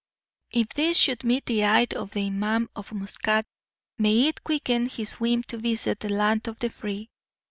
If this should meet the eye of the Imam of Muskat, may it quicken his whim to visit the land of the free!